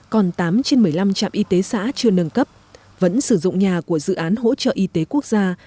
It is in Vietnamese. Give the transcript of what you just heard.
còn tám trên một mươi năm trạm y tế xã chưa nâng cấp vẫn sử dụng nhà của dự án hỗ trợ y tế quốc gia